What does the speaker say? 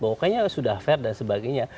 bahwa kayaknya sudah fair dan sebagainya